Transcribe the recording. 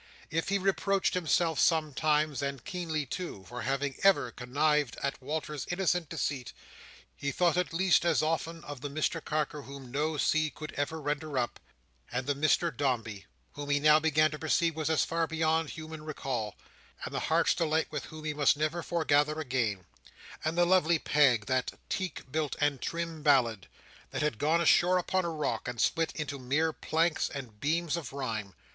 If he reproached himself sometimes, and keenly too, for having ever connived at Walter's innocent deceit, he thought at least as often of the Mr Carker whom no sea could ever render up; and the Mr Dombey, whom he now began to perceive was as far beyond human recall; and the "Heart's Delight," with whom he must never foregather again; and the Lovely Peg, that teak built and trim ballad, that had gone ashore upon a rock, and split into mere planks and beams of rhyme.